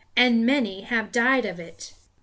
And many have died of it!" 5.